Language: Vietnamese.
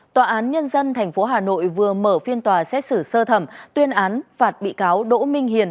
tòa án nhân dân tp hà nội vừa mở phiên tòa xét xử sơ thẩm tuyên án phạt bị cáo đỗ minh hiền